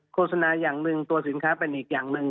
โฆษณาอย่างหนึ่งตัวสินค้าเป็นอีกอย่างหนึ่ง